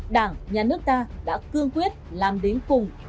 đảng nhà nước ta đã cương quyết làm đến cùng